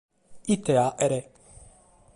Ite fàghere?